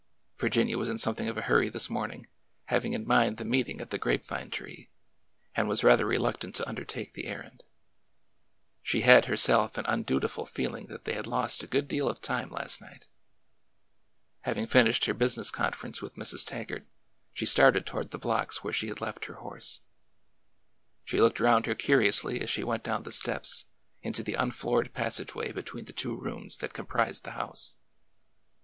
Virginia was in something of a hurry this morning, having in mind the meeting at the grape vine tree, and was rather reluctant to undertake the errand. She had, herself, an undutiful feeling that they had lost a good deal of time last night. Having finished her business conference with Mrs. Taggart, she started toward the blocks where she had left her horse. She looked around her curiously as she went down the steps into the unfloored passageway between the two rooms that comprised the house.